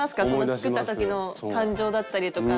作った時の感情だったりとか。